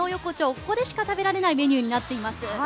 ここでしか食べられないメニューになっています。